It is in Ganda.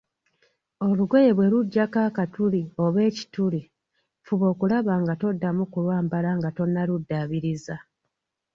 Olugoye bwe lujjako akatuli oba ekituli, fuba okulaba nga toddamu kulwambala nga tonnaluddaabiriza.